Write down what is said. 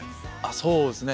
そうですね。